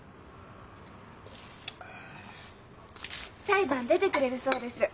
裁判出てくれるそうです。